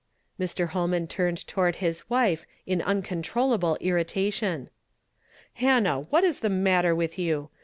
Mr. Holman turned toward his wife in uncon trollable irritation. "Hannah, what is the matter with you?